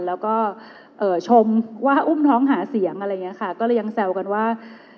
แล้วก็เอ่อชมว่าอุ้มท้องหาเสียงอะไรอย่างนี้ค่ะก็เลยยังแซวกันว่า